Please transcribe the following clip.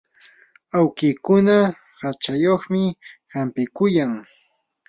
awkikuna hachawanmi hampikuyan.